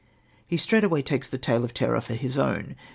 He straightway takes the tale of terror for his own.